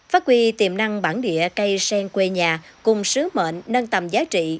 phát huy tiềm năng bản địa cây sen quê nhà cùng sứ mệnh nâng tầm giá trị